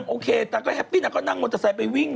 บ๊วยกวัลต์แล่วที่วัดอะไรล้อนเมย์